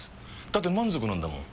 だって満足なんだもん。